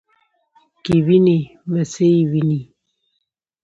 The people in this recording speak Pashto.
کې وینې په څه یې وینې ؟